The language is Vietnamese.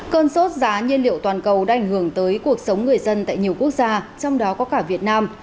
cơn sốt giá nhiên liệu toàn cầu đã ảnh hưởng tới cuộc sống người dân tại nhiều quốc gia trong đó có cả việt nam